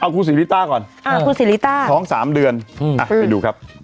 เอาคู่สีลิต้าก่อนเอ้าคู่สีลิต้าท้องสามเดือนอ่าไปดูครับ